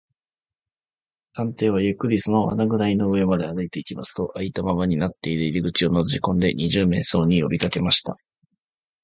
探偵はゆっくりその穴ぐらの上まで歩いていきますと、あいたままになっている入り口をのぞきこんで、二十面相によびかけました。